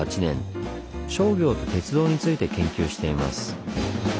商業と鉄道について研究しています。